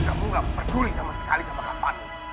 kamu gak peduli sama sekali sama kak fanny